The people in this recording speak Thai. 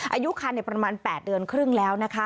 อายุคันประมาณ๘เดือนครึ่งแล้วนะคะ